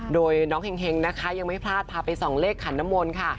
โดยน้องเฮงนะคะยังไม่พลาดพาไปส่องเลขขันน้ำมนต์ค่ะ